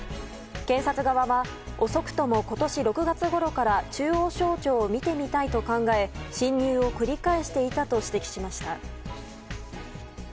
検察側は遅くとも今年６月ごろから中央省庁を見てみたいと考え侵入を繰り返していたと指摘しました。